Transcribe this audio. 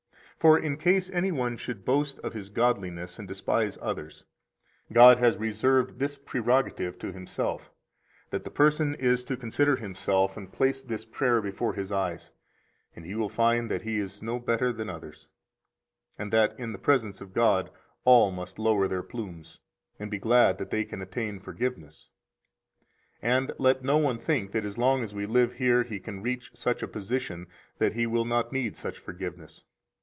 For in case any one should boast of his godliness and despise others, God has reserved this prerogative to Himself, that the person is to consider himself and place this prayer before his eyes, and he will find that he is no better than others, and that in the presence of God all must lower their plumes, and be glad that they can attain forgiveness. 91 And let no one think that as long as we live here he can reach such a position that he will not need such forgiveness.